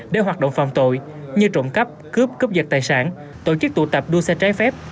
để hoạt động phòng tội như trộm cắp cướp cướp dịch tài sản tổ chức tụ tạp đua xe trái phép